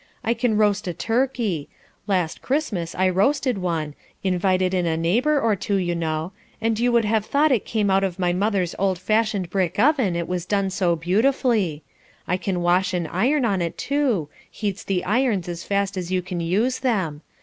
I can roast a turkey; last Christmas I roasted one (invited in a neighbour or two, you know), and you would have thought it came out of my mother's old fashioned brick oven, it was done so beautifully. I can wash and iron on it too, heats the irons as fast as you can use them.